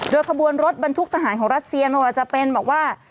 โดยคบวนรถบรรทุกตหารของรัสเซียมว่าจะเป็นแบบว่า